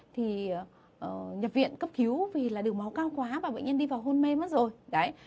thì nhập viện cấp cứu vì là đường máu cao quá và bệnh nhân đi vào hôn mê mất rồi đấy